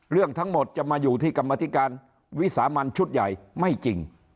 เรื่องทั้งหมดจะมาอยู่ที่กรรมธิการวิสามันชุดใหญ่ไม่จริง